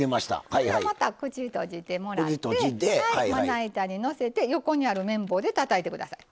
ほなまた口閉じてもらってまな板にのせて横にある麺棒でたたいてください。